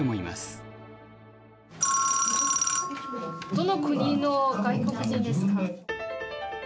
☎どの国の外国人ですか？